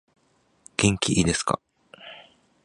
元気いですか